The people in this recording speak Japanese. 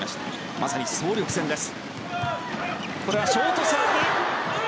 まさに総力戦です。